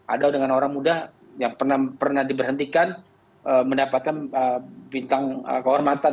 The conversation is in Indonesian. atau dengan orang muda yang pernah diberhentikan mendapatkan bintang kehormatan